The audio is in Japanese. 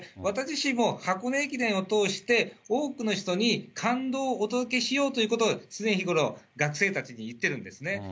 私自身も箱根駅伝を通して、多くの人に感動をお届けしようということを、常日頃、学生たちに言ってるんですね。